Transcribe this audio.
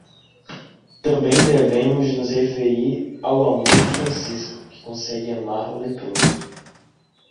Também devemos nos referir ao amor de Francisco, que consegue amar o leproso.